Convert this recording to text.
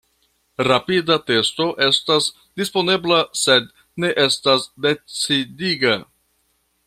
Rapida testo estas disponebla sed ne estas decidiga.